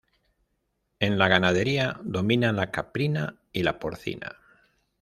En la ganadería, domina la caprina y la porcina.